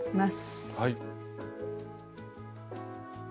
はい。